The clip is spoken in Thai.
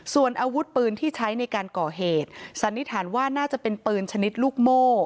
ส่วนอาวุธปืนที่ใช้ในการก่อเหตุสันนิษฐานว่าน่าจะเป็นปืนชนิดลูกโม่